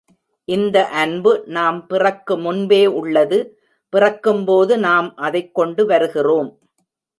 இந்த அன்பு நாம் பிறக்கு முன்பே உள்ளது பிறக்கும்போது நாம் அதைக் கொண்டு வருகிறோம்.